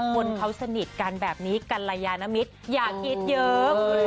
คนเขาสนิทกันแบบนี้กัลยานมิตรอย่ากินเยอะคุณผู้ชม